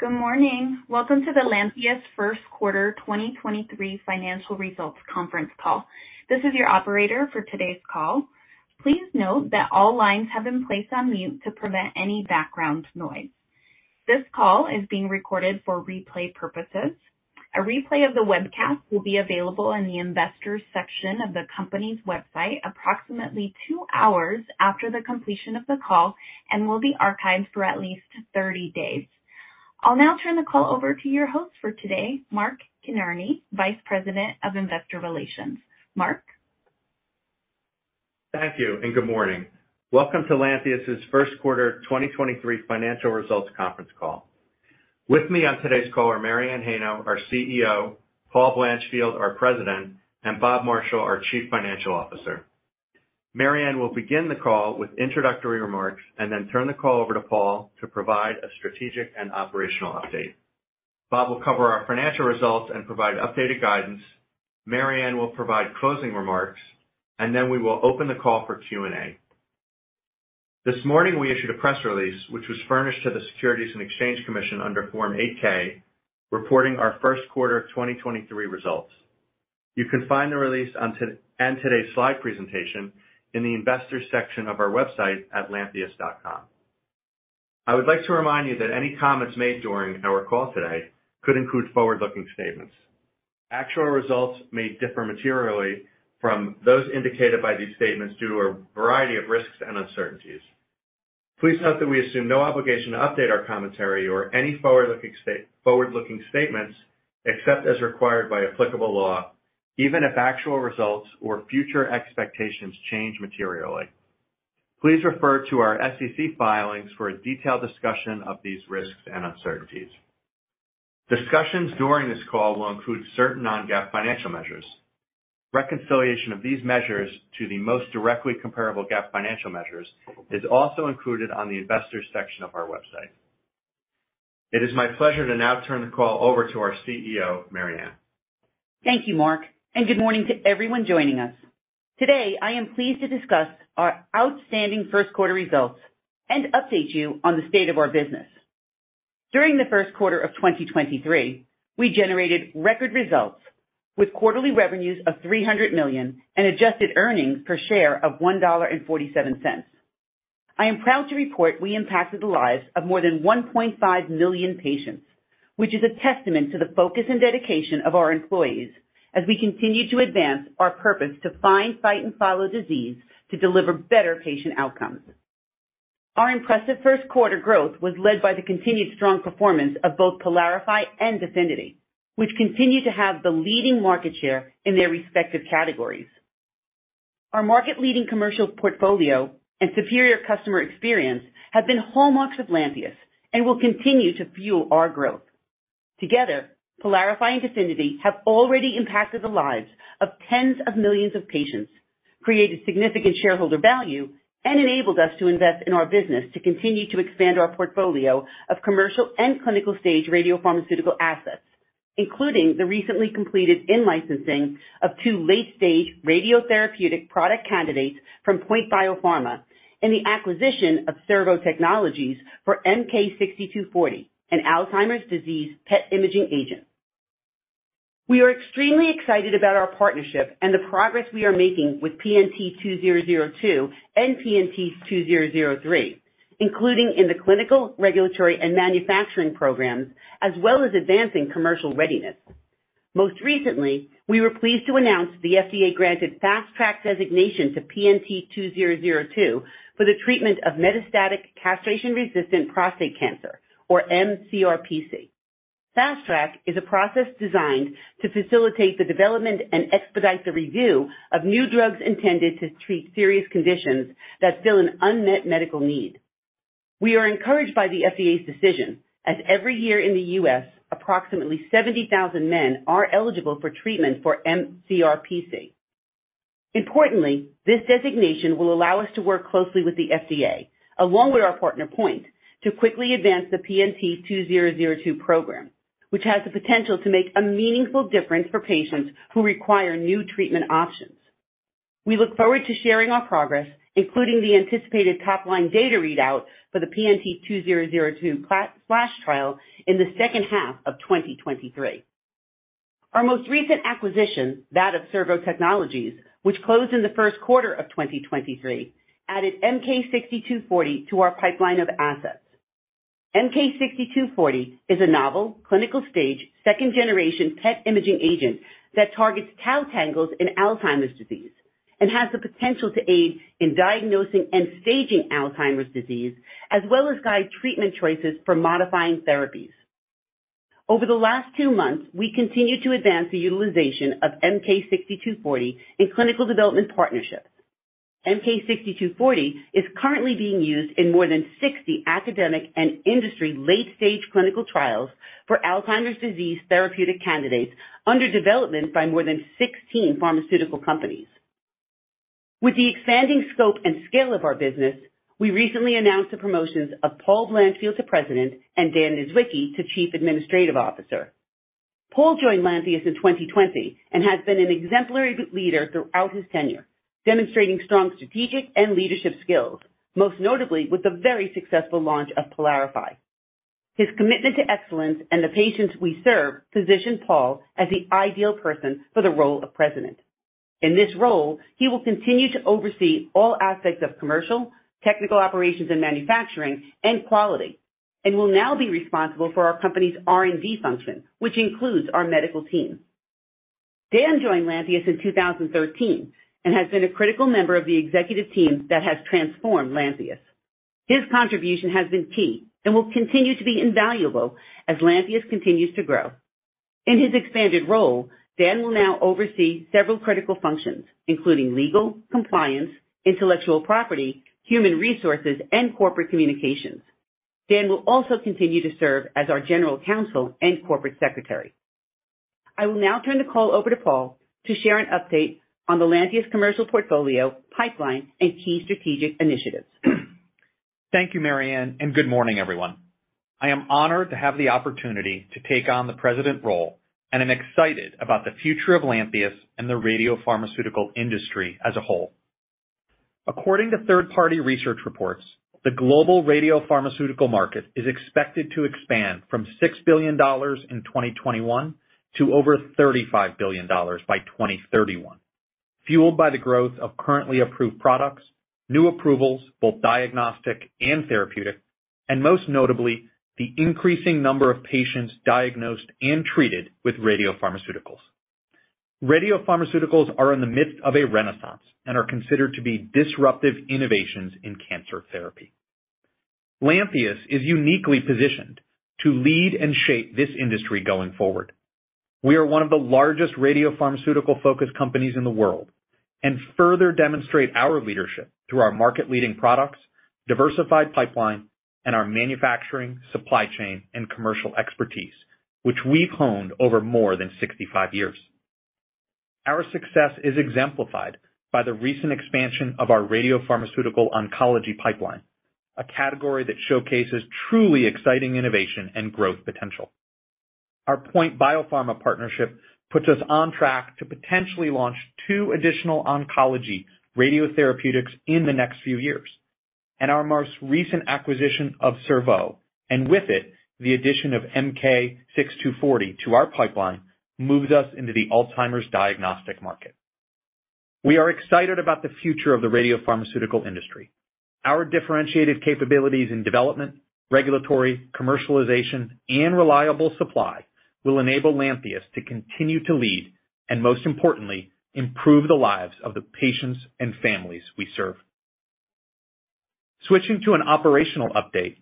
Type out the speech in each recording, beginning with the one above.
Good morning. Welcome to the Lantheus First Quarter 2023 Financial Results Conference Call. This is your operator for today's call. Please note that all lines have been placed on mute to prevent any background noise. This call is being recorded for replay purposes. A replay of the webcast will be available in the investors section of the company's website approximately two hours after the completion of the call and will be archived for at least 30 days. I'll now turn the call over to your host for today, Mark Kinarney, Vice President of Investor Relations. Mark. Thank you. Good morning. Welcome to Lantheus's first quarter 2023 financial results conference call. With me on today's call are Mary Anne Heino, our CEO, Paul Blanchfield, our President, and Bob Marshall, our Chief Financial Officer. Mary Anne will begin the call with introductory remarks and then turn the call over to Paul to provide a strategic and operational update. Bob will cover our financial results and provide updated guidance. Mary Anne will provide closing remarks, and then we will open the call for Q&A. This morning, we issued a press release, which was furnished to the Securities and Exchange Commission under Form 8-K, reporting our first quarter of 2023 results. You can find the release on today's slide presentation in the investors section of our website at lantheus.com. I would like to remind you that any comments made during our call today could include forward-looking statements. Actual results may differ materially from those indicated by these statements due to a variety of risks and uncertainties. Please note that we assume no obligation to update our commentary or any forward-looking statements except as required by applicable law, even if actual results or future expectations change materially. Please refer to our SEC filings for a detailed discussion of these risks and uncertainties. Discussions during this call will include certain non-GAAP financial measures. Reconciliation of these measures to the most directly comparable GAAP financial measures is also included on the investors section of our website. It is my pleasure to now turn the call over to our CEO, Mary Anne. Thank you, Mark. Good morning to everyone joining us. Today, I am pleased to discuss our outstanding first quarter results and update you on the state of our business. During the first quarter of 2023, we generated record results with quarterly revenues of $300 million and adjusted earnings per share of $1.47. I am proud to report we impacted the lives of more than 1.5 million patients, which is a testament to the focus and dedication of our employees as we continue to advance our purpose to find, fight, and follow disease to deliver better patient outcomes. Our impressive first quarter growth was led by the continued strong performance of both PYLARIFY and DEFINITY, which continue to have the leading market share in their respective categories. Our market-leading commercial portfolio and superior customer experience have been hallmarks of Lantheus and will continue to fuel our growth. Together, PYLARIFY and DEFINITY have already impacted the lives of tens of millions of patients, created significant shareholder value, and enabled us to invest in our business to continue to expand our portfolio of commercial and clinical stage radiopharmaceutical assets, including the recently completed in-licensing of two late-stage radiotherapeutic product candidates from POINT Biopharma and the acquisition of Cerveau Technologies for MK-6240, an Alzheimer's disease PET imaging agent. We are extremely excited about our partnership and the progress we are making with PNT2002 and PNT2003, including in the clinical, regulatory, and manufacturing programs, as well as advancing commercial readiness. Most recently, we were pleased to announce the FDA-granted Fast Track designation to PNT2002 for the treatment of metastatic castration-resistant prostate cancer or mCRPC. Fast Track is a process designed to facilitate the development and expedite the review of new drugs intended to treat serious conditions that fill an unmet medical need. We are encouraged by the FDA's decision, as every year in the U.S., approximately 70,000 men are eligible for treatment for mCRPC. Importantly, this designation will allow us to work closely with the FDA, along with our partner, Point, to quickly advance the PNT2002 program, which has the potential to make a meaningful difference for patients who require new treatment options. We look forward to sharing our progress, including the anticipated top-line data readout for the PNT2002 SPLASH trial in the second half of 2023. Our most recent acquisition, that of Cerveau Technologies, which closed in the first quarter of 2023, added MK-6240 to our pipeline of assets. MK-6240 is a novel clinical-stage second-generation PET imaging agent that targets tau tangles in Alzheimer's disease and has the potential to aid in diagnosing and staging Alzheimer's disease, as well as guide treatment choices for modifying therapies. Over the last two months, we continue to advance the utilization of MK-6240 in clinical development partnerships. MK-6240 is currently being used in more than 60 academic and industry late-stage clinical trials for Alzheimer's disease therapeutic candidates under development by more than 16 pharmaceutical companies. With the expanding scope and scale of our business, we recently announced the promotions of Paul Blanchfield to President and Dan Niedzwiecki to Chief Administrative Officer. Paul joined Lantheus in 2020 and has been an exemplary leader throughout his tenure, demonstrating strong strategic and leadership skills, most notably with the very successful launch of PYLARIFY. His commitment to excellence and the patients we serve position Paul as the ideal person for the role of president. In this role, he will continue to oversee all aspects of commercial, technical operations and manufacturing and quality, and will now be responsible for our company's R&D function, which includes our medical team. Dan joined Lantheus in 2013 and has been a critical member of the executive team that has transformed Lantheus. His contribution has been key and will continue to be invaluable as Lantheus continues to grow. In his expanded role, Dan will now oversee several critical functions, including legal, compliance, intellectual property, human resources, and corporate communications. Dan will also continue to serve as our general counsel and corporate secretary. I will now turn the call over to Paul to share an update on the Lantheus commercial portfolio, pipeline, and key strategic initiatives. Thank you, Mary Anne. Good morning, everyone. I am honored to have the opportunity to take on the president role and am excited about the future of Lantheus and the radiopharmaceutical industry as a whole. According to third-party research reports, the global radiopharmaceutical market is expected to expand from $6 billion in 2021 to over $35 billion by 2031, fueled by the growth of currently approved products, new approvals, both diagnostic and therapeutic, most notably, the increasing number of patients diagnosed and treated with radiopharmaceuticals. Radiopharmaceuticals are in the midst of a renaissance, are considered to be disruptive innovations in cancer therapy. Lantheus is uniquely positioned to lead and shape this industry going forward. We are one of the largest radiopharmaceutical-focused companies in the world and further demonstrate our leadership through our market-leading products, diversified pipeline, and our manufacturing, supply chain, and commercial expertise, which we've honed over more than 65 years. Our success is exemplified by the recent expansion of our radiopharmaceutical oncology pipeline, a category that showcases truly exciting innovation and growth potential. Our POINT Biopharma partnership puts us on track to potentially launch two additional oncology radiotherapeutics in the next few years, and our most recent acquisition of Cerveau, and with it, the addition of MK-6240 to our pipeline, moves us into the Alzheimer's diagnostic market. We are excited about the future of the radiopharmaceutical industry. Our differentiated capabilities in development, regulatory, commercialization, and reliable supply will enable Lantheus to continue to lead and most importantly, improve the lives of the patients and families we serve. Switching to an operational update,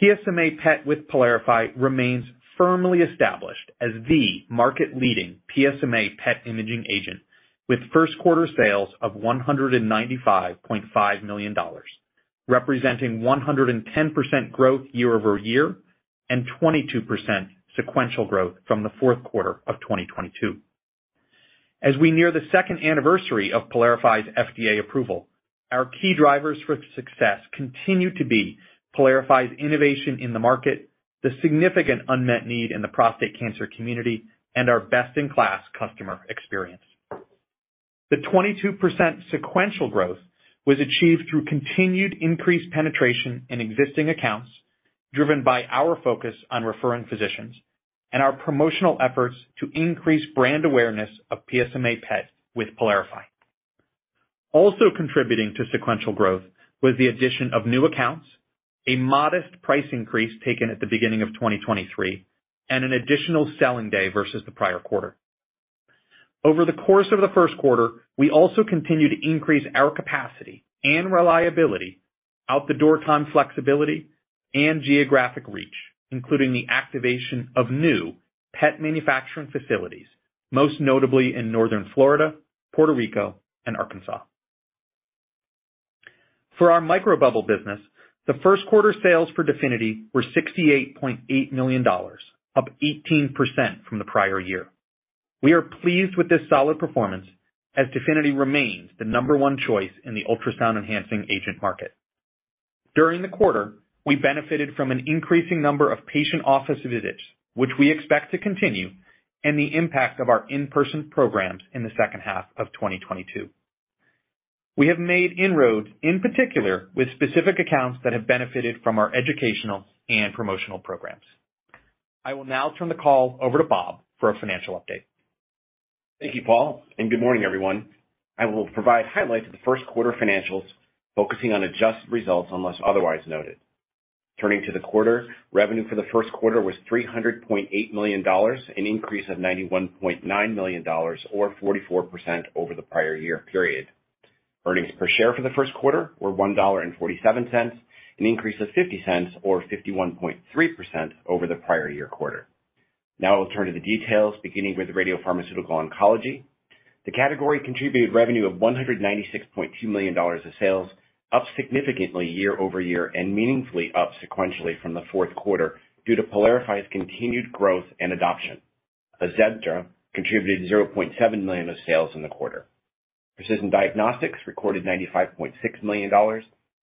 PSMA PET with PYLARIFY remains firmly established as the market-leading PSMA PET imaging agent with first quarter sales of $195.5 million, representing 110% growth year-over-year and 22% sequential growth from the fourth quarter of 2022. As we near the second anniversary of PYLARIFY's FDA approval, our key drivers for success continue to be PYLARIFY's innovation in the market, the significant unmet need in the prostate cancer community, and our best-in-class customer experience. The 22% sequential growth was achieved through continued increased penetration in existing accounts, driven by our focus on referring physicians and our promotional efforts to increase brand awareness of PSMA PET with PYLARIFY. Also contributing to sequential growth was the addition of new accounts, a modest price increase taken at the beginning of 2023, and an additional selling day versus the prior quarter. Over the course of the first quarter, we also continued to increase our capacity and reliability, out the door time flexibility, and geographic reach, including the activation of new PET manufacturing facilities, most notably in Northern Florida, Puerto Rico, and Arkansas. For our Microbubble business, the first quarter sales for DEFINITY were $68.8 million, up 18% from the prior year. We are pleased with this solid performance as DEFINITY remains the number one choice in the ultrasound enhancing agent market. During the quarter, we benefited from an increasing number of patient office visits, which we expect to continue, and the impact of our in-person programs in the second half of 2022. We have made inroads, in particular, with specific accounts that have benefited from our educational and promotional programs. I will now turn the call over to Bob for a financial update. Thank you, Paul. Good morning, everyone. I will provide highlights of the first quarter financials, focusing on adjusted results, unless otherwise noted. Turning to the quarter, revenue for the first quarter was $300.8 million, an increase of $91.9 million or 44% over the prior year-over-year period. Earnings per share for the first quarter were $1.47, an increase of $0.50 or 51.3% over the prior year quarter. I will turn to the details, beginning with radiopharmaceutical oncology. The category contributed revenue of $196.2 million of sales, up significantly year-over-year and meaningfully up sequentially from the fourth quarter due to PYLARIFY's continued growth and adoption. AZEDRA contributed $0.7 million of sales in the quarter. Precision Diagnostics recorded $95.6 million,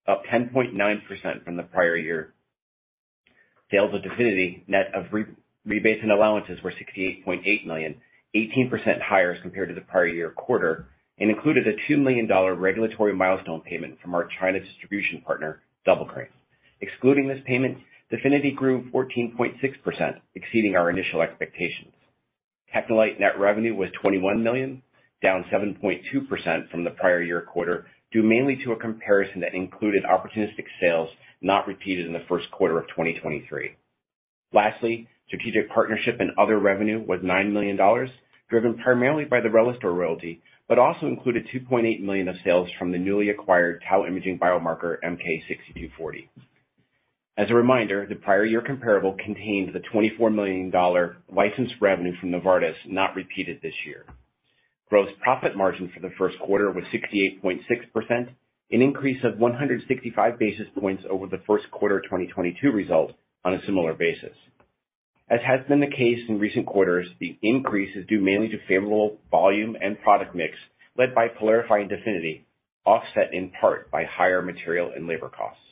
up 10.9% from the prior year. Sales of DEFINITY net of re-rebates and allowances were $68.8 million, 18% higher as compared to the prior year quarter, and included a $2 million regulatory milestone payment from our China distribution partner, Double Crane. Excluding this payment, DEFINITY grew 14.6%, exceeding our initial expectations. TechneLite net revenue was $21 million, down 7.2% from the prior year quarter, due mainly to a comparison that included opportunistic sales not repeated in the first quarter of 2023. Lastly, strategic partnership and other revenue was $9 million, driven primarily by the RELISTOR royalty, but also included $2.8 million of sales from the newly acquired Tau imaging biomarker, MK-6240. As a reminder, the prior year comparable contained the $24 million license revenue from Novartis, not repeated this year. Gross profit margin for the first quarter was 68.6%, an increase of 165 basis points over the first quarter of 2022 result on a similar basis. As has been the case in recent quarters, the increase is due mainly to favorable volume and product mix, led by PYLARIFY and DEFINITY, offset in part by higher material and labor costs.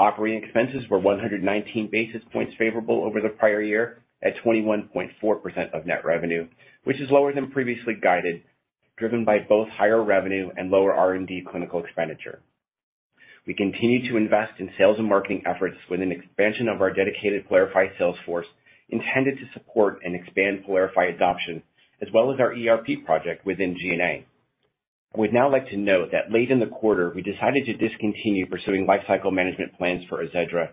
Operating expenses were 119 basis points favorable over the prior year at 21.4% of net revenue, which is lower than previously guided, driven by both higher revenue and lower R&D clinical expenditure. We continue to invest in sales and marketing efforts with an expansion of our dedicated PYLARIFY sales force intended to support and expand PYLARIFY adoption, as well as our ERP project within G&A. I would now like to note that late in the quarter, we decided to discontinue pursuing lifecycle management plans for AZEDRA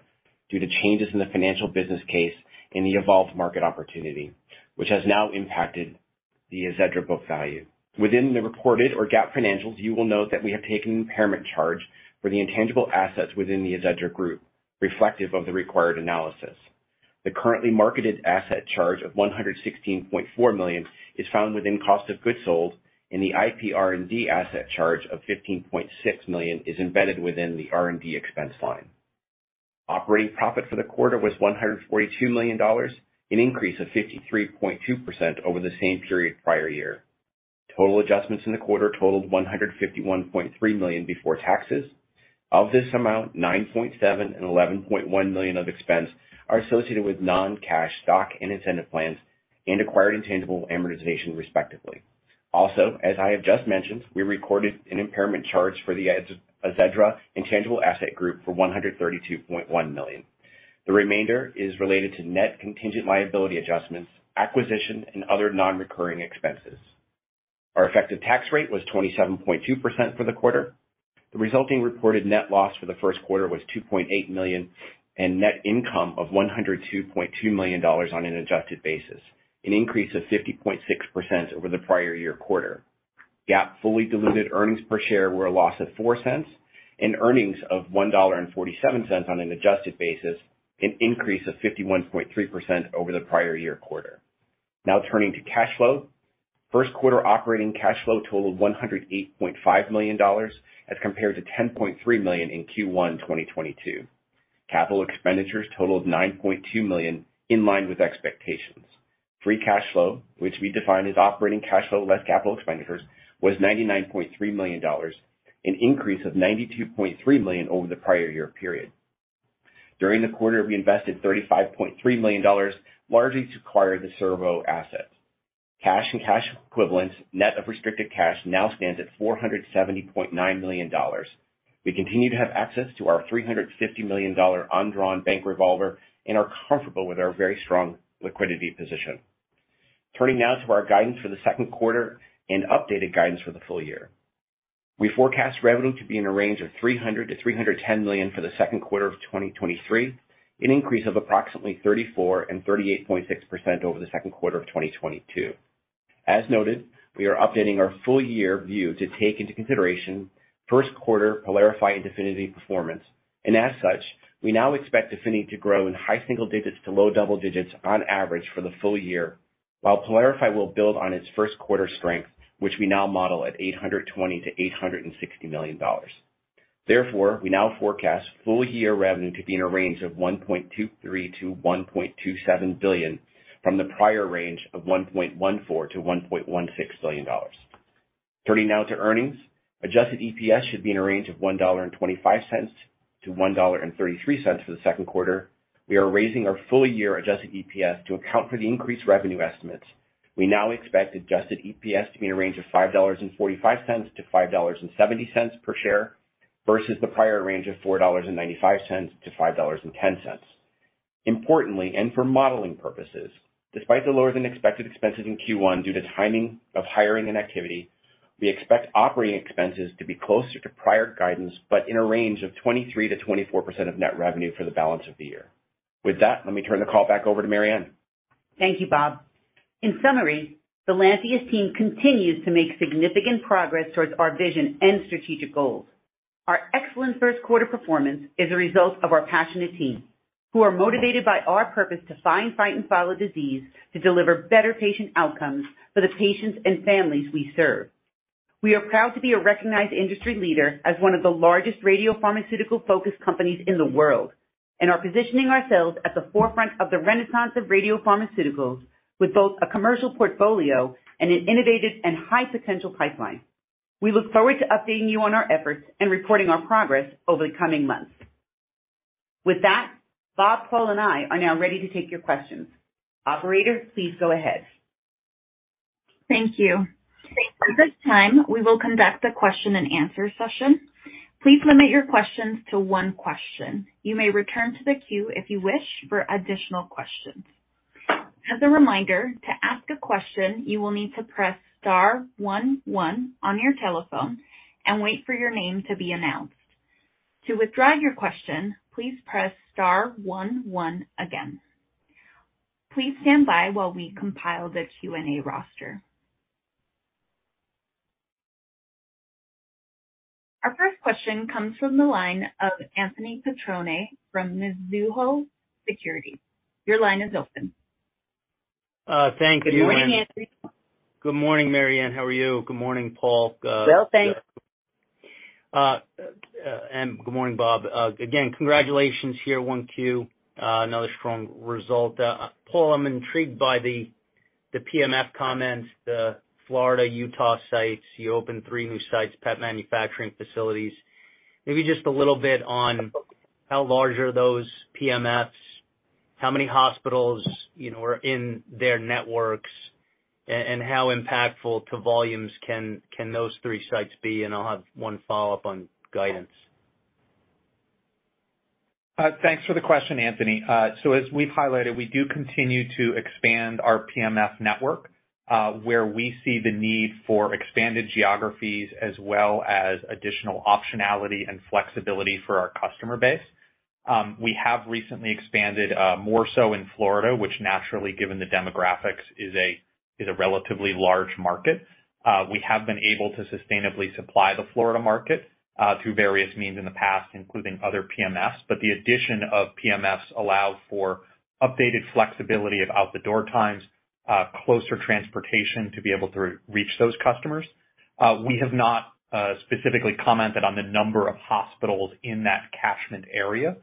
due to changes in the financial business case and the evolved market opportunity, which has now impacted the AZEDRA book value. Within the reported or GAAP financials, you will note that we have taken an impairment charge for the intangible assets within the AZEDRA group, reflective of the required analysis. The currently marketed asset charge of $116.4 million is found within cost of goods sold, the IP R&D asset charge of $15.6 million is embedded within the R&D expense line. Operating profit for the quarter was $142 million, an increase of 53.2% over the same period prior year. Total adjustments in the quarter totaled $151.3 million before taxes. Of this amount, $9.7 million and $11.1 million of expense are associated with non-cash stock and incentive plans and acquired intangible amortization, respectively. As I have just mentioned, we recorded an impairment charge for the AZEDRA intangible asset group for $132.1 million. The remainder is related to net contingent liability adjustments, acquisition, and other non-recurring expenses. Our effective tax rate was 27.2% for the quarter. The resulting reported net loss for the first quarter was $2.8 million and net income of $102.2 million on an adjusted basis, an increase of 50.6% over the prior year quarter. GAAP fully diluted earnings per share were a loss of $0.04 and earnings of $1.47 on an adjusted basis, an increase of 51.3% over the prior year quarter. Turning to cash flow. First quarter operating cash flow totaled $108.5 million as compared to $10.3 million in Q1 2022. Capital expenditures totaled $9.2 million, in line with expectations. Free cash flow, which we define as operating cash flow less capital expenditures, was $99.3 million, an increase of $92.3 million over the prior year period. During the quarter, we invested $35.3 million, largely to acquire the Cerveau asset. Cash and cash equivalents, net of restricted cash, now stands at $470.9 million. We continue to have access to our $350 million undrawn bank revolver and are comfortable with our very strong liquidity position. Turning now to our guidance for the second quarter and updated guidance for the full year. We forecast revenue to be in a range of $300 million-$310 million for the second quarter of 2023, an increase of approximately 34% and 38.6% over the second quarter of 2022. As noted, we are updating our full year view to take into consideration first quarter PYLARIFY and DEFINITY performance. As such, we now expect DEFINITY to grow in high single digits to low double digits on average for the full year, while PYLARIFY will build on its first quarter strength, which we now model at $820 million-$860 million. Therefore, we now forecast full year revenue to be in a range of $1.23 billion-$1.27 billion from the prior range of $1.14 billion-$1.16 billion. Turning now to earnings. Adjusted EPS should be in a range of $1.25-$1.33 for the second quarter. We are raising our full year adjusted EPS to account for the increased revenue estimates. We now expect adjusted EPS to be in a range of $5.45-$5.70 per share versus the prior range of $4.95-$5.10. Importantly, for modeling purposes, despite the lower than expected expenses in Q1 due to timing of hiring and activity, we expect operating expenses to be closer to prior guidance but in a range of 23%-24% of net revenue for the balance of the year. With that, let me turn the call back over to Mary Anne. Thank you, Bob. In summary, the Lantheus team continues to make significant progress towards our vision and strategic goals. Our excellent first quarter performance is a result of our passionate team, who are motivated by our purpose to find, fight, and follow disease to deliver better patient outcomes for the patients and families we serve. We are proud to be a recognized industry leader as one of the largest radiopharmaceutical-focused companies in the world. And are positioning ourselves at the forefront of the renaissance of radiopharmaceuticals with both a commercial portfolio and an innovative and high potential pipeline. We look forward to updating you on our efforts and reporting our progress over the coming months. With that, Bob, Paul, and I are now ready to take your questions. Operator, please go ahead. Thank you. At this time, we will conduct a question and answer session. Please limit your questions to one question. You may return to the queue if you wish for additional questions. As a reminder, to ask a question, you will need to press star one one on your telephone and wait for your name to be announced. To withdraw your question, please press star one one again. Please stand by while we compile the Q&A roster. Our first question comes from the line of Anthony Petrone from Mizuho Securities. Your line is open. Thank you. Good morning, Anthony. Good morning, Mary Anne. How are you? Good morning, Paul. Well, thanks. Good morning, Bob. Again, congratulations here. 1Q, another strong result. Paul, I'm intrigued by the PMF comments, the Florida, Utah sites. You opened three new sites, PET manufacturing facilities. Maybe just a little bit on how large are those PMFs, how many hospitals, you know, are in their networks, and how impactful to volumes can those three sites be, and I'll have one follow-up on guidance. Thanks for the question, Anthony. As we've highlighted, we do continue to expand our PMF network, where we see the need for expanded geographies as well as additional optionality and flexibility for our customer base. We have recently expanded more so in Florida, which naturally, given the demographics, is a relatively large market. We have been able to sustainably supply the Florida market, through various means in the past, including other PMFs. The addition of PMFs allow for updated flexibility of out-the-door times, closer transportation to be able to reach those customers. We have not specifically commented on the number of hospitals in that catchment area.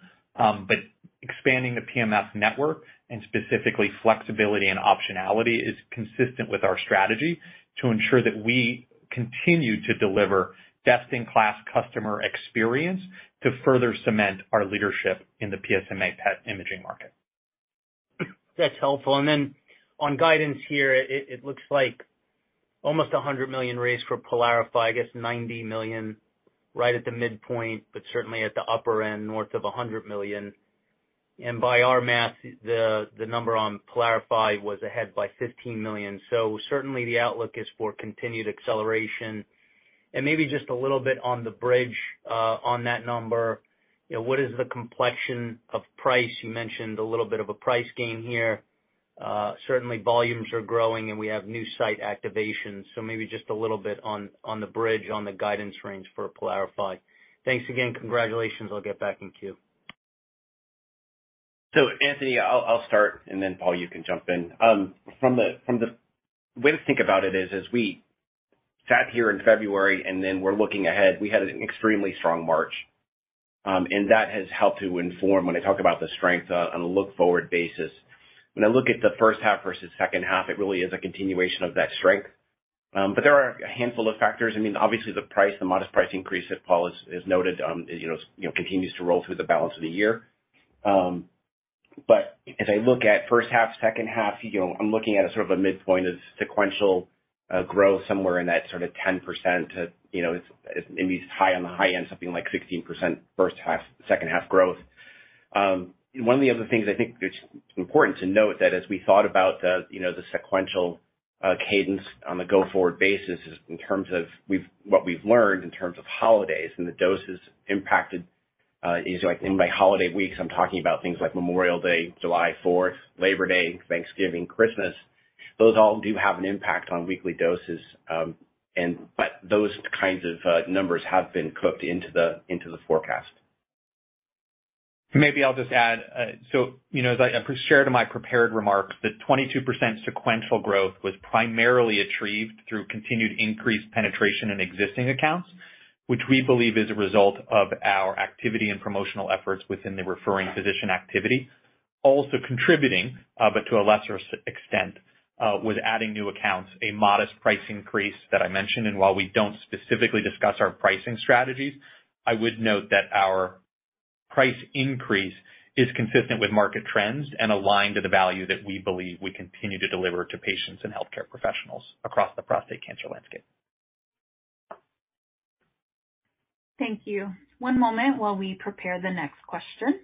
Expanding the PMF network and specifically flexibility and optionality is consistent with our strategy to ensure that we continue to deliver best-in-class customer experience to further cement our leadership in the PSMA PET imaging market. That's helpful. It looks like almost $100 million raised for PYLARIFY. I guess $90 million right at the midpoint, but certainly at the upper end, north of $100 million. By our math, the number on PYLARIFY was ahead by $15 million. Certainly the outlook is for continued acceleration. Maybe just a little bit on the bridge on that number. You know, what is the complexion of price? You mentioned a little bit of a price gain here. Certainly volumes are growing and we have new site activations. Maybe just a little bit on the bridge, on the guidance range for PYLARIFY. Thanks again. Congratulations. I'll get back in queue. Anthony, I'll start, and then Paul, you can jump in. From the way to think about it is we sat here in February, and then we're looking ahead. We had an extremely strong March. That has helped to inform when I talk about the strength on a look-forward basis. When I look at the first half versus second half, it really is a continuation of that strength. There are a handful of factors. I mean, obviously the price, the modest price increase that Paul has noted, is you know, continues to roll through the balance of the year. But as I look at first half, second half, you know, I'm looking at a sort of a midpoint of sequential growth somewhere in that sort of 10% to, you know, it's maybe high on the high end, something like 16% first half, second half growth. One of the other things I think that's important to note that as we thought about the, you know, the sequential cadence on the go-forward basis is in terms of what we've learned in terms of holidays and the doses impacted, is like in my holiday weeks, I'm talking about things like Memorial Day, July Fourth, Labor Day, Thanksgiving, Christmas. Those all do have an impact on weekly doses, and but those kinds of numbers have been cooked into the, into the forecast. Maybe I'll just add. You know, as I shared in my prepared remarks that 22% sequential growth was primarily achieved through continued increased penetration in existing accounts, which we believe is a result of our activity and promotional efforts within the referring physician activity. Also contributing, to a lesser extent, was adding new accounts, a modest price increase that I mentioned. While we don't specifically discuss our pricing strategies, I would note that our price increase is consistent with market trends and aligned to the value that we believe we continue to deliver to patients and healthcare professionals across the prostate cancer landscape. Thank you. One moment while we prepare the next question.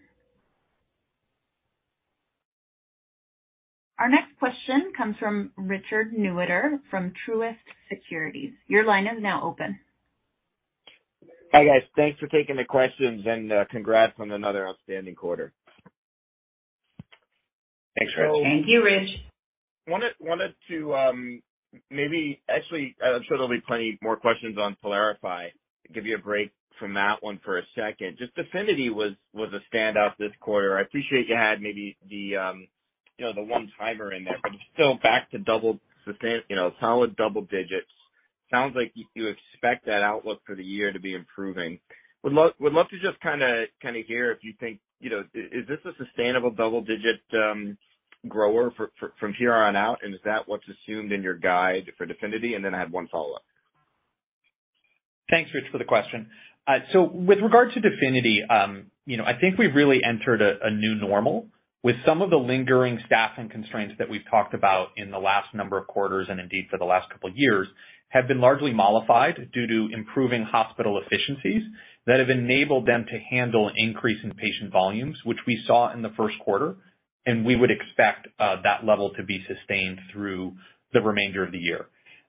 Our next question comes from Richard Newitter from Truist Securities. Your line is now open. Hi, guys. Thanks for taking the questions and congrats on another outstanding quarter. Thanks, Rich. Thank you, Rich. Wanted to actually, I'm sure there'll be plenty more questions on PYLARIFY. Give you a break from that one for a second. Just DEFINITY was a standout this quarter. I appreciate you had maybe the, you know, the one-timer in there, but you're still back to double the same, you know, solid double digits. Sounds like you expect that outlook for the year to be improving. Would love to just kinda hear if you think, you know, is this a sustainable double-digit grower for from here on out? Is that what's assumed in your guide for DEFINITY? Then I have one follow-up. Thanks, Rich, for the question. With regard to DEFINITY, you know, I think we've really entered a new normal with some of the lingering staffing constraints that we've talked about in the last number of quarters, and indeed for the last couple of years, have been largely mollified due to improving hospital efficiencies that have enabled them to handle increase in patient volumes, which we saw in the first quarter. We would expect that level to be sustained through the remainder of the year.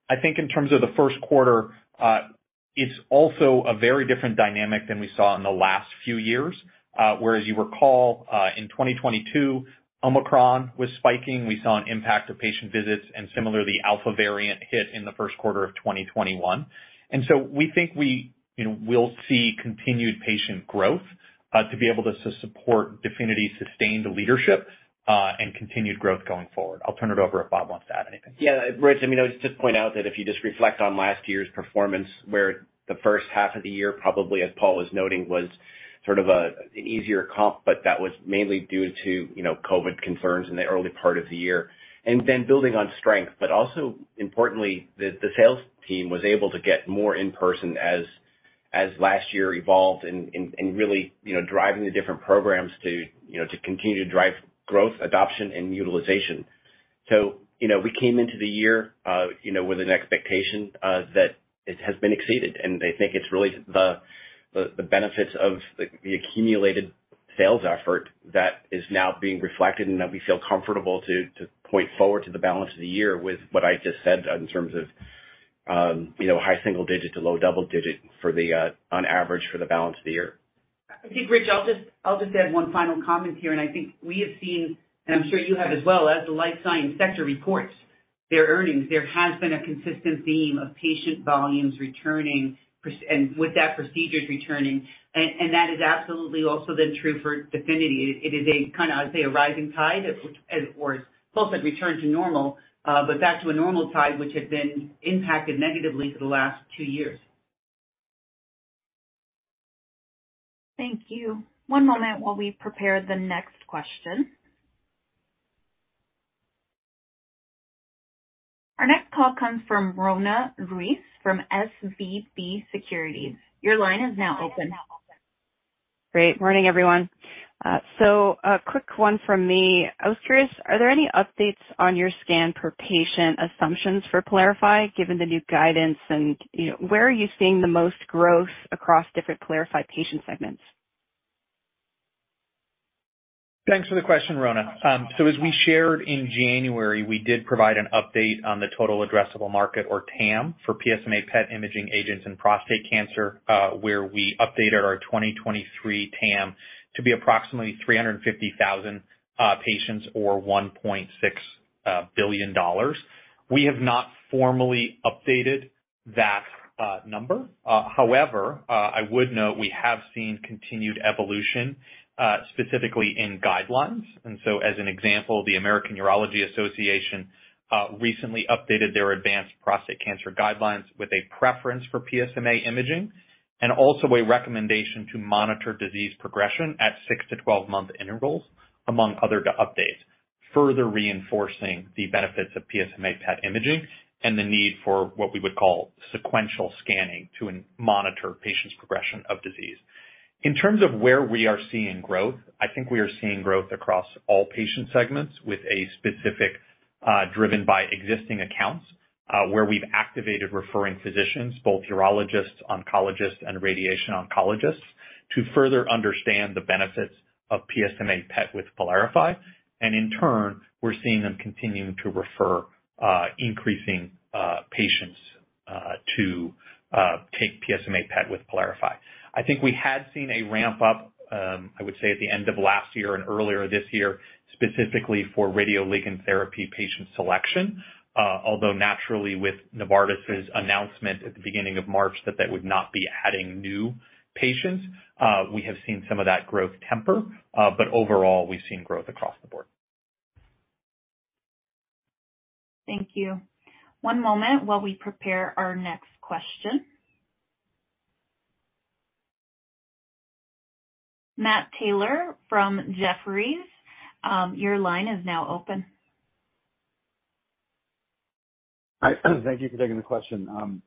I think in terms of the first quarter, it's also a very different dynamic than we saw in the last few years. Whereas you recall, in 2022, Omicron was spiking. We saw an impact of patient visits, and similarly, Alpha variant hit in the first quarter of 2021. We think we, you know, we'll see continued patient growth, to be able to support DEFINITY's sustained leadership, and continued growth going forward. I'll turn it over if Bob wants to add anything. Yeah, Rich, I mean, I would just point out that if you just reflect on last year's performance, where the first half of the year, probably, as Paul was noting, was sort of a, an easier comp, but that was mainly due to, you know, COVID concerns in the early part of the year. Building on strength, but also importantly, the sales team was able to get more in-person as last year evolved and really, you know, driving the different programs to, you know, to continue to drive growth, adoption, and utilization. You know, we came into the year, you know, with an expectation, that it has been exceeded. I think it's really the benefits of the accumulated sales effort that is now being reflected and that we feel comfortable to point forward to the balance of the year with what I just said in terms of, you know, high single digit to low double digit for the on average for the balance of the year. I think, Rich, I'll just add one final comment here. I think we have seen, and I'm sure you have as well, as the life science sector reports their earnings, there has been a consistent theme of patient volumes returning and with that, procedures returning. And that is absolutely also then true for DEFINITY. It is a kinda, I'd say, a rising tide, which, or Paul said return to normal, but back to a normal tide which had been impacted negatively for the last two years. Thank you. One moment while we prepare the next question. Our next call comes from Roanna Ruiz from SVB Securities. Your line is now open. Great. Morning, everyone. A quick one from me. I was curious, are there any updates on your scan per patient assumptions for PYLARIFY, given the new guidance and, you know, where are you seeing the most growth across different PYLARIFY patient segments? Thanks for the question, Rona. As we shared in January, we did provide an update on the total addressable market, or TAM, for PSMA PET imaging agents in prostate cancer, where we updated our 2023 TAM to be approximately 350,000 patients or $1.6 billion. We have not formally updated that number. However, I would note we have seen continued evolution specifically in guidelines. As an example, the American Urological Association recently updated their advanced prostate cancer guidelines with a preference for PSMA imaging and also a recommendation to monitor disease progression at 6 to 12 month intervals, among other updates, further reinforcing the benefits of PSMA PET imaging and the need for what we would call sequential scanning to monitor patients' progression of disease. In terms of where we are seeing growth, I think we are seeing growth across all patient segments with a specific, driven by existing accounts, where we've activated referring physicians, both urologists, oncologists, and radiation oncologists, to further understand the benefits of PSMA PET with PYLARIFY. In turn, we're seeing them continuing to refer, increasing patients, to take PSMA PET with PYLARIFY. I think we had seen a ramp up, I would say at the end of last year and earlier this year, specifically for radioligand therapy patient selection. Naturally with Novartis's announcement at the beginning of March that they would not be adding new patients, we have seen some of that growth temper. Overall, we've seen growth across the board. Thank you. One moment while we prepare our next question. Matt Taylor from Jefferies, your line is now open. Hi, thank you for taking the question. I'm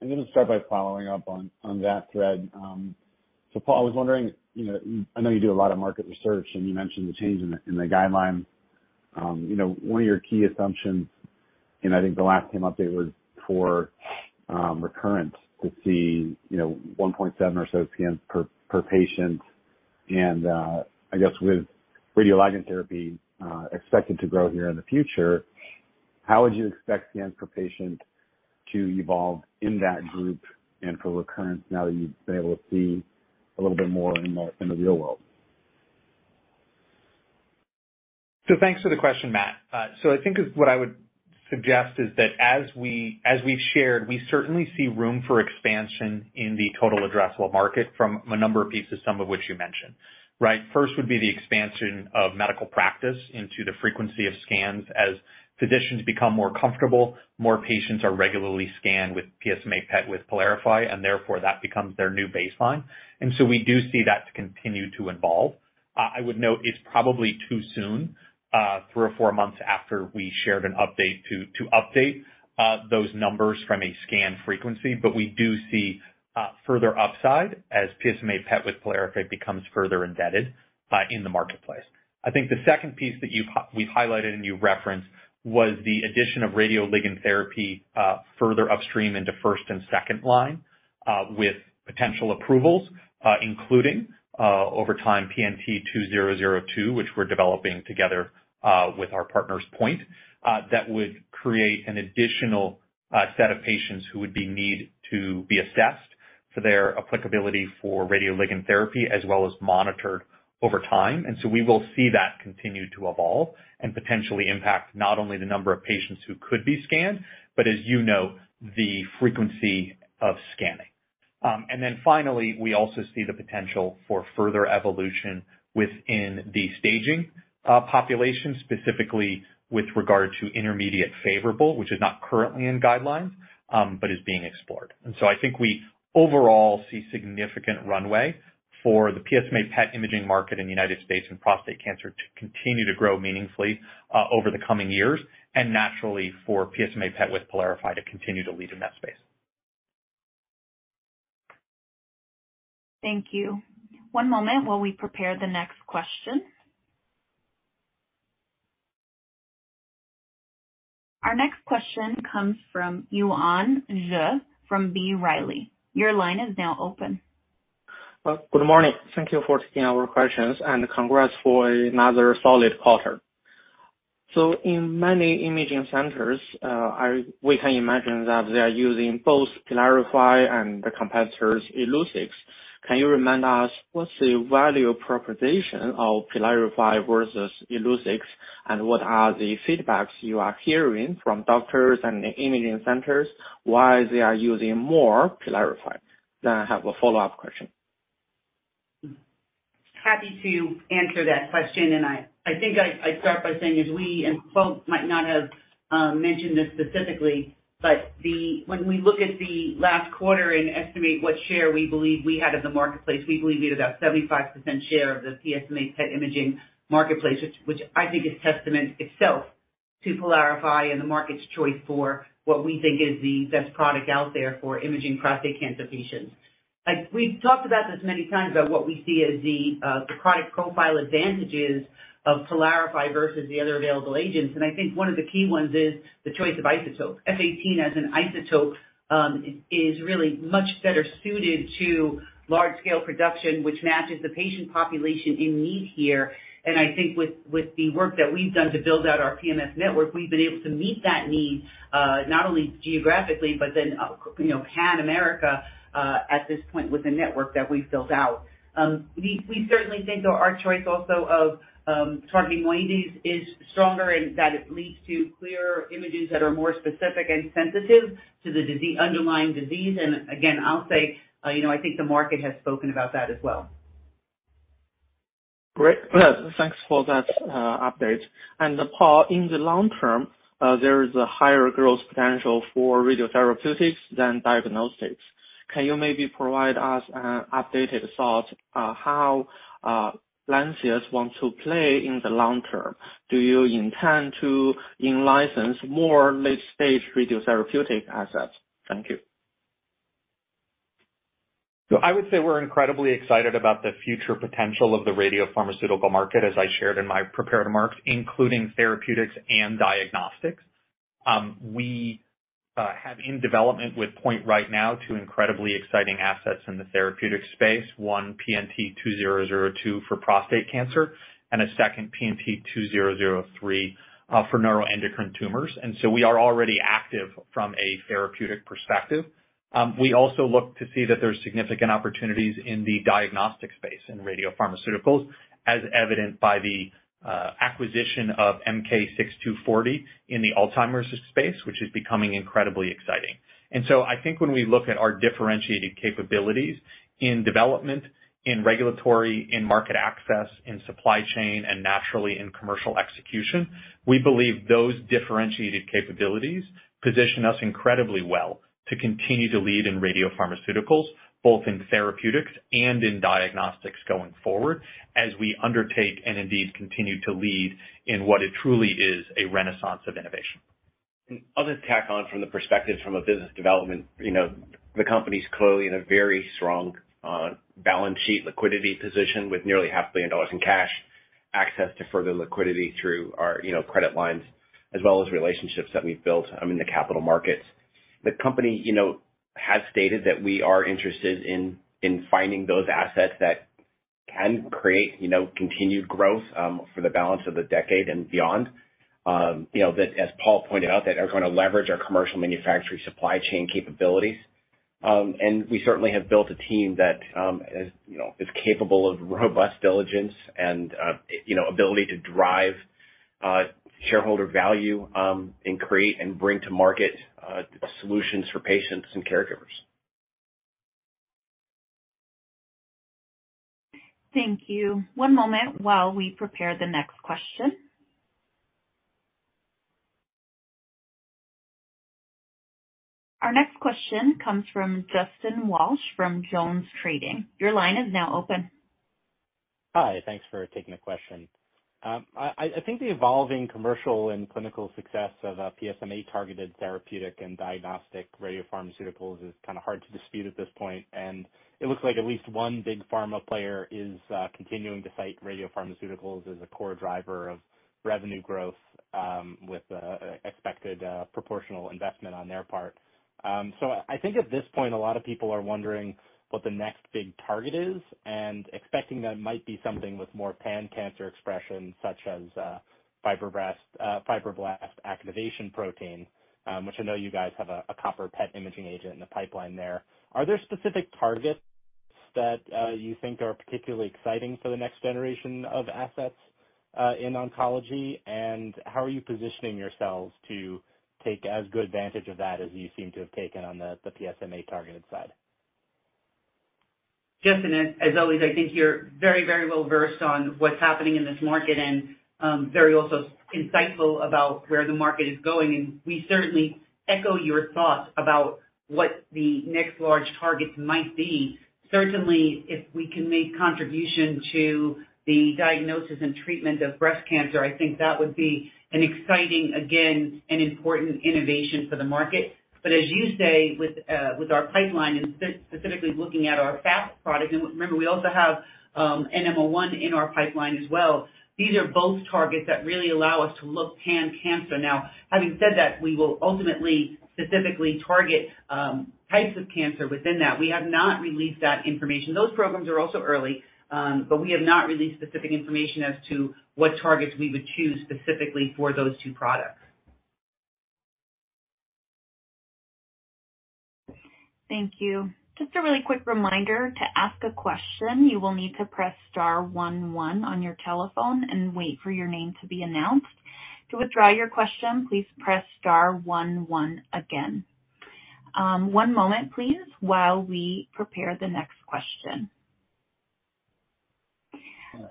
gonna start by following up on that thread. Paul, I was wondering, you know, I know you do a lot of market research, and you mentioned the change in the, in the guidelines. You know, one of your key assumptions, and I think the last time update was for, recurrent to see, you know, 1.7 or so PM per patient. I guess with radioligand therapy, expected to grow here in the future, how would you expect the end per patient to evolve in that group and for recurrence now that you've been able to see a little bit more in the, in the real world? Thanks for the question, Matt. I think what I would suggest is that as we, as we've shared, we certainly see room for expansion in the total addressable market from a number of pieces, some of which you mentioned, right. First would be the expansion of medical practice into the frequency of scans. As physicians become more comfortable, more patients are regularly scanned with PSMA PET with PYLARIFY, and therefore that becomes their new baseline. We do see that to continue to evolve. I would note it's probably too soon, three or four months after we shared an update to update those numbers from a scan frequency. We do see further upside as PSMA PET with PYLARIFY becomes further embedded in the marketplace. I think the second piece that we've highlighted and you referenced was the addition of radioligand therapy, further upstream into first and second line, with potential approvals, including, over time PNT2002, which we're developing together, with our partner's Point. That would create an additional set of patients who would be need to be assessed for their applicability for radioligand therapy as well as monitored over time. We will see that continue to evolve and potentially impact not only the number of patients who could be scanned, but as you know, the frequency of scanning. Finally, we also see the potential for further evolution within the staging population, specifically with regard to intermediate favorable, which is not currently in guidelines, but is being explored. I think we overall see significant runway for the PSMA PET imaging market in the United States and prostate cancer to continue to grow meaningfully over the coming years, and naturally, for PSMA PET with PYLARIFY to continue to lead in that space. Thank you. One moment while we prepare the next question. Our next question comes from Yuan Zhi from B. Riley. Your line is now open. Good morning. Thank you for taking our questions, and congrats for another solid quarter. In many imaging centers, we can imagine that they are using both PYLARIFY and the competitor's Illuccix. Can you remind us what's the value proposition of PYLARIFY versus Illuccix? What are the feedbacks you are hearing from doctors and the imaging centers why they are using more PYLARIFY? I have a follow-up question. Happy to answer that question, I think I start by saying is we, and folks might not have mentioned this specifically, but when we look at the last quarter and estimate what share we believe we had in the marketplace, we believe we had about 75% share of the PSMA PET imaging marketplace. Which I think is testament itself to PYLARIFY and the market's choice for what we think is the best product out there for imaging prostate cancer patients. Like, we've talked about this many times, about what we see as the product profile advantages of PYLARIFY versus the other available agents. I think one of the key ones is the choice of isotope. F-18 as an isotope is really much better suited to large scale production, which matches the patient population in need here. I think with the work that we've done to build out our PMS network, we've been able to meet that need, not only geographically, but then, you know, Pan America, at this point with the network that we've built out. We certainly think our choice also of targeting MOID's is stronger and that it leads to clearer images that are more specific and sensitive to the underlying disease. Again, I'll say, you know, I think the market has spoken about that as well. Great. Well, thanks for that update. Paul, in the long term, there is a higher growth potential for radiotherapeutics than diagnostics. Can you maybe provide us an updated thought on how Lantheus wants to play in the long term? Do you intend to in-license more late stage radiotherapeutic assets? Thank you. I would say we're incredibly excited about the future potential of the radiopharmaceutical market, as I shared in my prepared remarks, including therapeutics and diagnostics. We have in development with Point right now, two incredibly exciting assets in the therapeutic space. One, PNT2002 for prostate cancer, and a second PNT2003 for neuroendocrine tumors. We are already active from a therapeutic perspective. We also look to see that there's significant opportunities in the diagnostic space in radiopharmaceuticals, as evidenced by the acquisition of MK-6240 in the Alzheimer's space, which is becoming incredibly exciting. I think when we look at our differentiated capabilities in development, in regulatory, in market access, in supply chain, and naturally in commercial execution, we believe those differentiated capabilities position us incredibly well to continue to lead in radiopharmaceuticals, both in therapeutics and in diagnostics going forward, as we undertake and indeed continue to lead in what it truly is, a renaissance of innovation. I'll just tack on from the perspective from a business development. You know, the company's clearly in a very strong balance sheet liquidity position with nearly half a billion dollars in cash. Access to further liquidity through our, you know, credit lines, as well as relationships that we've built in the capital markets. The company, you know, has stated that we are interested in finding those assets that can create, you know, continued growth for the balance of the decade and beyond. You know, that as Paul pointed out, that are gonna leverage our commercial manufacturing supply chain capabilities. And we certainly have built a team that is, you know, is capable of robust diligence and, you know, ability to drive shareholder value and create and bring to market solutions for patients and caregivers. Thank you. One moment while we prepare the next question. Our next question comes from Justin Walsh from Jones Trading. Your line is now open. Hi. Thanks for taking the question. I think the evolving commercial and clinical success of PSMA-targeted therapeutic and diagnostic radiopharmaceuticals is kind of hard to dispute at this point. It looks like at least one big pharma player is continuing to cite radiopharmaceuticals as a core driver of revenue growth, with expected proportional investment on their part. I think at this point, a lot of people are wondering what the next big target is and expecting that it might be something with more pan-cancer expression, such as fibroblast activation protein, which I know you guys have a copper PET imaging agent in the pipeline there. Are there specific targets that you think are particularly exciting for the next generation of assets in oncology? How are you positioning yourselves to take as good advantage of that as you seem to have taken on the PSMA-targeted side? Justin, as always, I think you're very, very well versed on what's happening in this market and very also insightful about where the market is going. We certainly echo your thoughts about what the next large targets might be. Certainly, if we can make contribution to the diagnosis and treatment of breast cancer, I think that would be an exciting, again, and important innovation for the market. As you say, with our pipeline and specifically looking at our FAP product, and remember, we also have NM-01 in our pipeline as well. These are both targets that really allow us to look pan-cancer. Having said that, we will ultimately, specifically target types of cancer within that. We have not released that information. Those programs are also early, but we have not released specific information as to what targets we would choose specifically for those two products. Thank you. Just a really quick reminder, to ask a question, you will need to press star 11 on your telephone and wait for your name to be announced. To withdraw your question, please press star 11 again. one moment please, while we prepare the next question.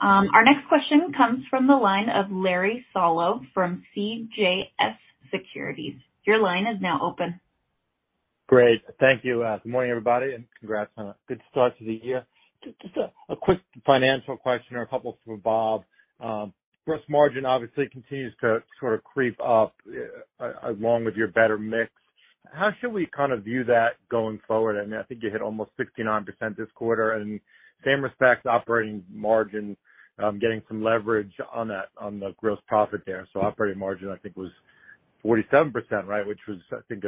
Our next question comes from the line of Larry Solow from CJS Securities. Your line is now open. Great. Thank you. Good morning, everybody, congrats on a good start to the year. Just a quick financial question or a couple from Bob. Gross margin obviously continues to sort of creep up along with your better mix. How should we kind of view that going forward? I mean, I think you hit almost 69% this quarter. Same respect to operating margin, getting some leverage on that, on the gross profit there. Operating margin, I think, was 47%, right? Which was, I think,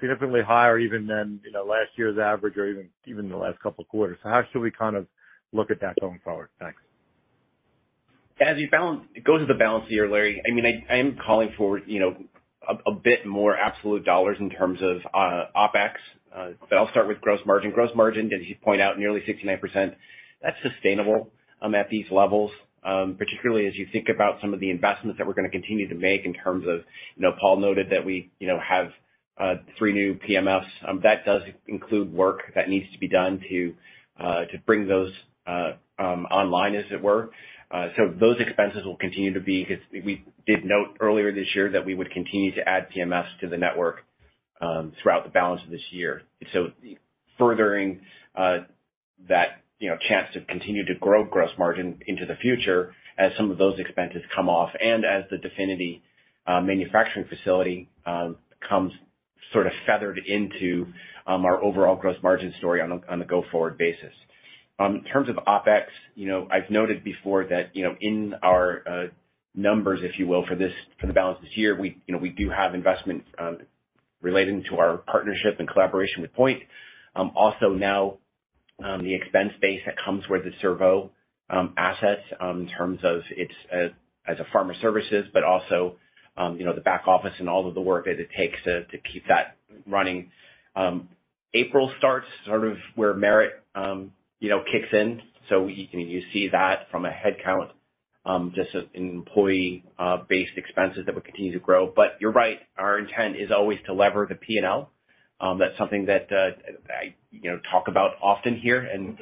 significantly higher even than, you know, last year's average or even the last couple of quarters. How should we kind of look at that going forward? Thanks. It goes with the balance of the year, Larry. I mean, I am calling for, you know, a bit more absolute dollars in terms of OpEx. I'll start with gross margin. Gross margin, as you point out, nearly 69%. That's sustainable at these levels, particularly as you think about some of the investments that we're gonna continue to make in terms of, you know, Paul noted that we, you know, have three new PMFs. That does include work that needs to be done to bring those online, as it were. Those expenses will continue to be, because we did note earlier this year that we would continue to add PMFs to the network throughout the balance of this year. Furthering, you know, that chance to continue to grow gross margin into the future as some of those expenses come off and as the DEFINITY manufacturing facility comes sort of feathered into our overall gross margin story on a go-forward basis. In terms of OpEx, you know, I've noted before that, you know, in our numbers, if you will, for this, for the balance of this year, we, you know, we do have investments relating to our partnership and collaboration with Point. Also now, the expense base that comes with the Cerveau assets in terms of its as a pharma services, but also, you know, the back office and all of the work that it takes to keep that running. April starts sort of where MIPS, you know, kicks in. You can see that from a headcount, just in employee based expenses that would continue to grow. You're right, our intent is always to lever the P&L. That's something that I, you know, talk about often here, and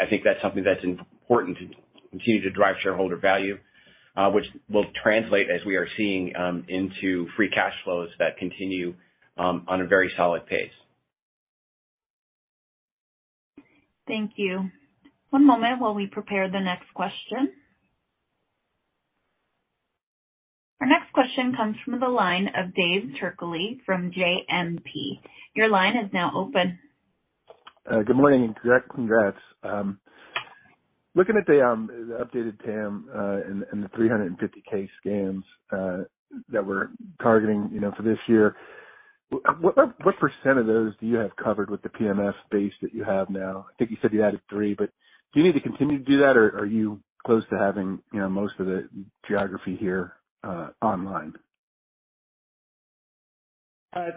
I think that's something that's important to continue to drive shareholder value, which will translate as we are seeing, into free cash flows that continue on a very solid pace. Thank you. One moment while we prepare the next question. Our next question comes from the line of Dave Turkaly from JMP. Your line is now open. Good morning, and congrats. Looking at the updated TAM, and the 350K scans that we're targeting, you know, for this year, what percent of those do you have covered with the PMF base that you have now? I think you said you added three, but do you need to continue to do that? Are you close to having, you know, most of the geography here online?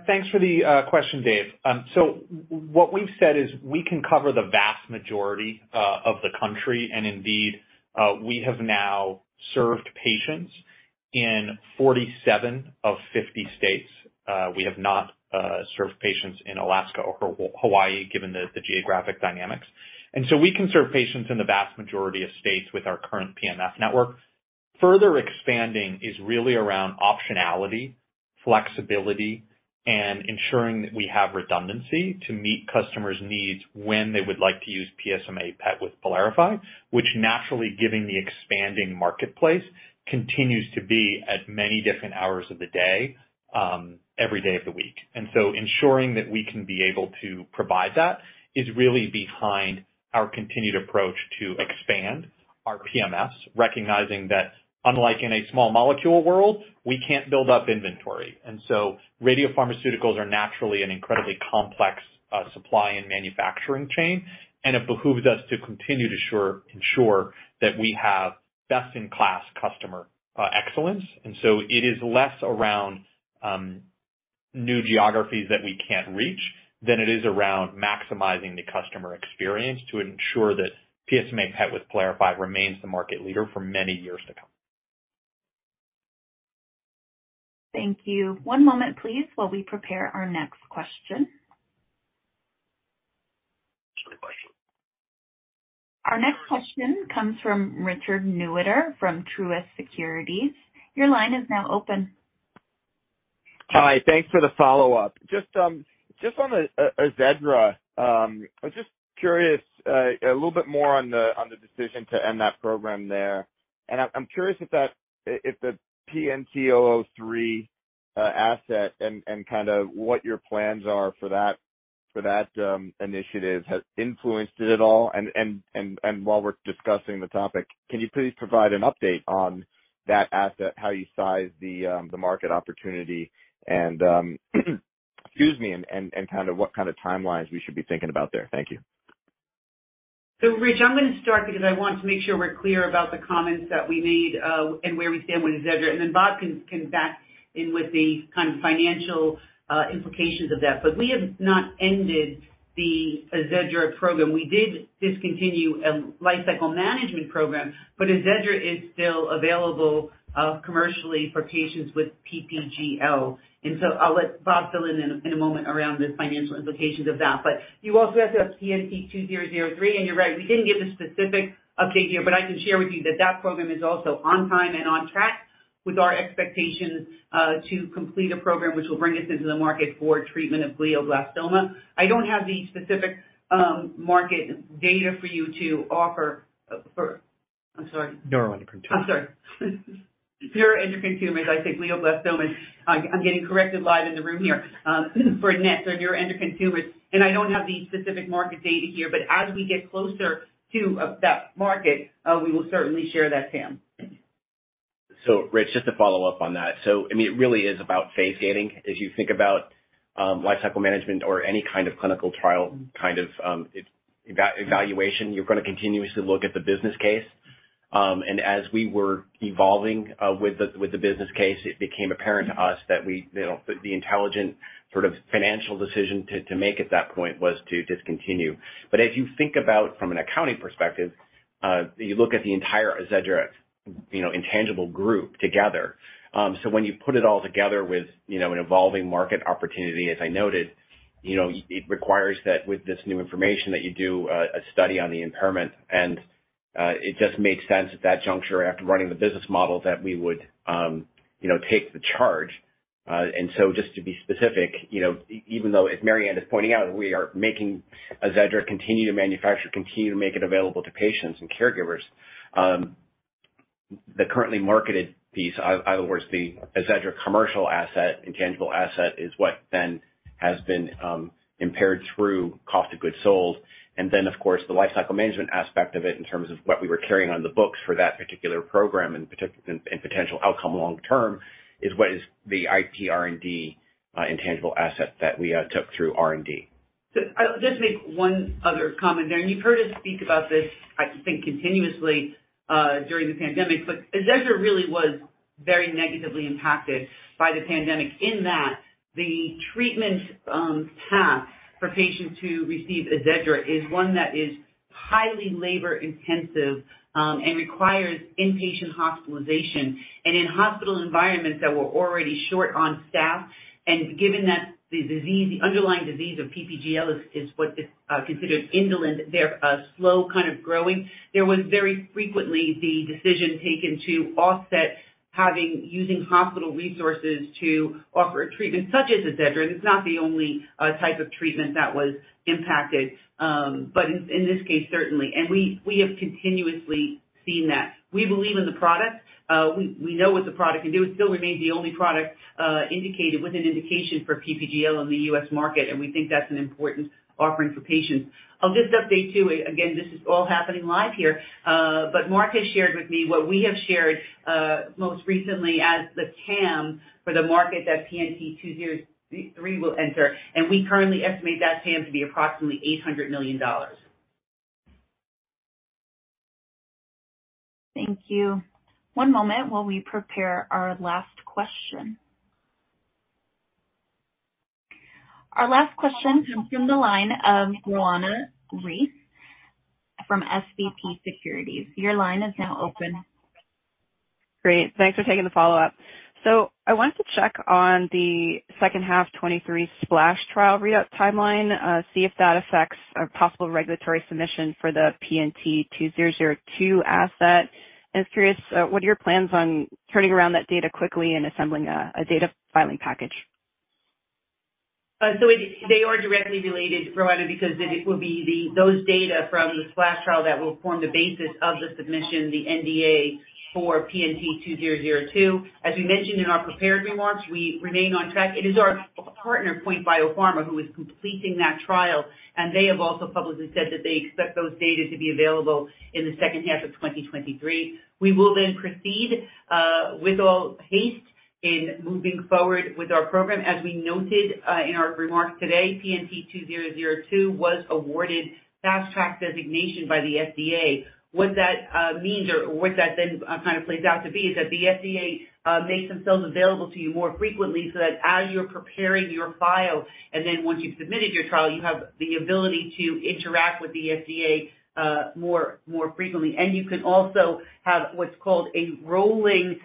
Thanks for the question, Dave. What we've said is we can cover the vast majority of the country, and indeed, we have now served patients in 47 of 50 states. We have not served patients in Alaska or Hawaii, given the geographic dynamics. We can serve patients in the vast majority of states with our current PMS network. Further expanding is really around optionality, flexibility, and ensuring that we have redundancy to meet customers' needs when they would like to use PSMA PET with PYLARIFY, which naturally, given the expanding marketplace, continues to be at many different hours of the day, every day of the week. Ensuring that we can be able to provide that is really behind our continued approach to expand our PMS, recognizing that unlike in a small molecule world, we can't build up inventory. Radiopharmaceuticals are naturally an incredibly complex supply and manufacturing chain, and it behooves us to continue to ensure that we have best-in-class customer excellence. It is less around new geographies that we can't reach than it is around maximizing the customer experience to ensure that PSMA PET with PYLARIFY remains the market leader for many years to come. Thank you. One moment, please, while we prepare our next question. question. Our next question comes from Richard Newitter from Truist Securities. Your line is now open. Hi. Thanks for the follow-up. Just on the AZEDRA, I was just curious a little bit more on the decision to end that program there. I'm curious if that, if the PNT2003 asset and kind of what your plans are for that initiative has influenced it at all. While we're discussing the topic, can you please provide an update on that asset, how you size the market opportunity, and, excuse me, and kind of what kind of timelines we should be thinking about there? Thank you. Rich, I'm gonna start because I want to make sure we're clear about the comments that we made, and where we stand with AZEDRA, and then Bob can back in with the kind of financial implications of that. We have not ended the AZEDRA program. We did discontinue a lifecycle management program, but AZEDRA is still available commercially for patients with PPGL. I'll let Bob fill in in a moment around the financial implications of that. You also asked about PNT2003, and you're right, we didn't give the specific update here, but I can share with you that that program is also on time and on track with our expectations to complete a program which will bring us into the market for treatment of glioblastoma. I don't have the specific market data for you to offer. Neuroendocrine tumors. I'm sorry. Neuroendocrine tumors. I think glioblastoma. I'm getting corrected live in the room here. For NET, so neuroendocrine tumors, and I don't have the specific market data here, but as we get closer to that market, we will certainly share that TAM. Rich, just to follow up on that. I mean, it really is about phase gating. As you think about lifecycle management or any kind of clinical trial kind of evaluation, you're gonna continuously look at the business case. As we were evolving with the business case, it became apparent to us that we, you know, the intelligent sort of financial decision to make at that point was to discontinue. As you think about from an accounting perspective, you look at the entire AZEDRA, you know, intangible group together. When you put it all together with, you know, an evolving market opportunity, as I noted, you know, it requires that with this new information that you do a study on the impairment and it just made sense at that juncture after running the business model that we would, you know, take the charge. Just to be specific, you know, even though as Mary Anne is pointing out, we are making AZEDRA continue to manufacture, continue to make it available to patients and caregivers, the currently marketed piece, other words, the AZEDRA commercial asset, intangible asset, is what then has been impaired through cost of goods sold. Of course, the lifecycle management aspect of it in terms of what we were carrying on the books for that particular program and potential outcome long term is what is the IP R&D intangible asset that we took through R&D. I'll just make one other comment there. You've heard us speak about this, I think, continuously during the pandemic, but AZEDRA really was very negatively impacted by the pandemic in that the treatment path for patients who receive AZEDRA is one that is highly labor-intensive and requires inpatient hospitalization and in hospital environments that were already short on staff. Given that the disease, the underlying disease of PPGL is what is considered indolent, they're slow kind of growing. There was very frequently the decision taken to offset having using hospital resources to offer a treatment such as AZEDRA. It's not the only type of treatment that was impacted, but in this case, certainly. We have continuously seen that. We believe in the product. We know what the product can do. It still remains the only product, indicated with an indication for PPGL in the U.S. market. We think that's an important offering for patients. I'll just update too. Again, this is all happening live here. Mark has shared with me what we have shared, most recently as the TAM for the market that PNT2003 will enter. We currently estimate that TAM to be approximately $800 million. Thank you. One moment while we prepare our last question. Our last question comes from the line of Roanna Ruiz from SVB Securities. Your line is now open. Great. Thanks for taking the follow-up. I wanted to check on the second half 2023 SPLASH trial readout timeline, see if that affects a possible regulatory submission for the PNT2002 asset. I was curious, what are your plans on turning around that data quickly and assembling a data filing package? They are directly related, Roanna, because it will be those data from the SPLASH trial that will form the basis of the submission, the NDA for PNT2002. As we mentioned in our prepared remarks, we remain on track. It is our partner, POINT Biopharma, who is completing that trial, and they have also publicly said that they expect those data to be available in the second half of 2023. We will then proceed with all haste in moving forward with our program. As we noted in our remarks today, PNT2002 was awarded Fast Track designation by the FDA. What that means or what that then kind of plays out to be is that the FDA makes themselves available to you more frequently so that as you're preparing your file and then once you've submitted your trial, you have the ability to interact with the FDA more frequently. You can also have what's called a rolling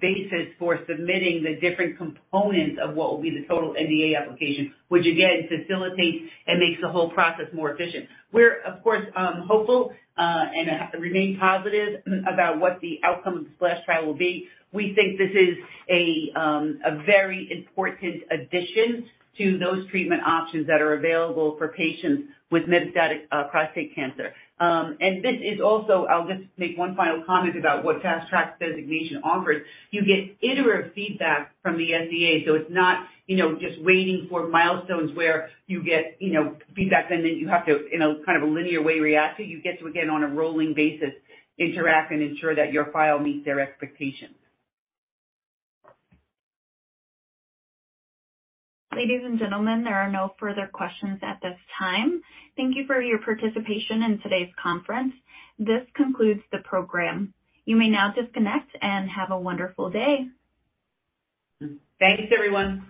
basis for submitting the different components of what will be the total NDA application, which again, facilitates and makes the whole process more efficient. We're of course hopeful and remain positive about what the outcome of the SPLASH trial will be. We think this is a very important addition to those treatment options that are available for patients with metastatic prostate cancer. This is also. I'll just make one final comment about what Fast Track designation offers. You get iterative feedback from the FDA, so it's not, you know, just waiting for milestones where you get, you know, feedback and then you have to, in a kind of a linear way, react to. You get to, again, on a rolling basis, interact and ensure that your file meets their expectations. Ladies and gentlemen, there are no further questions at this time. Thank you for your participation in today's conference. This concludes the program. You may now disconnect and have a wonderful day. Thanks everyone.